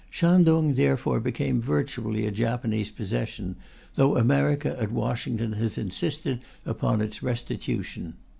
Shantung therefore became virtually a Japanese possession, though America at Washington has insisted upon its restitution.